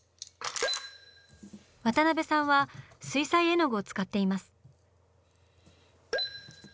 渡辺さんは水彩絵の具を使っています。